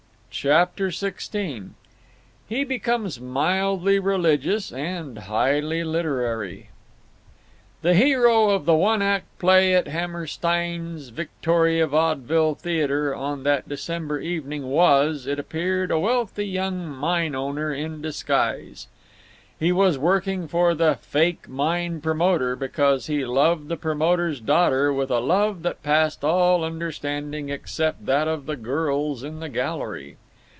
CHAPTER XVI HE BECOMES MILDLY RELIGIOUS AND HIGHLY LITERARY The hero of the one act play at Hammerstein's Victoria vaudeville theater on that December evening was, it appeared, a wealthy young mine owner in disguise. He was working for the "fake mine promoter" because he loved the promoter's daughter with a love that passed all understanding except that of the girls in the gallery.